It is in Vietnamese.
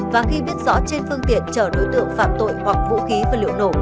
và khi biết rõ trên phương tiện chở đối tượng phạm tội hoặc vũ khí và liệu nổ